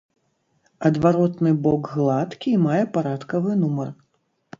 Адваротны бок гладкі і мае парадкавы нумар.